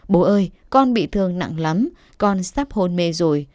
bố ơi con bị thương nặng lắm con sắp hôn mê rồi